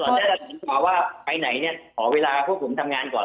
ไม่น้อยค่ะไปไหนเนี่ยขอเวลาพวกผมทำงานก่อน